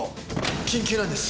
緊急なんです。